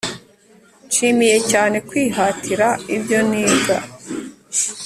Nishimiye cyane kwihatira ibyo niga